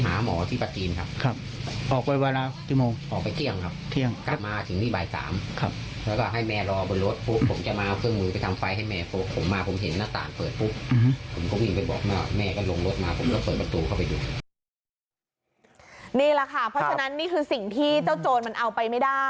แต่เขาบอกว่าโอ้โหเขาดีใจมากนะเพราะว่าเจ้าของบ้านเขาบอกว่า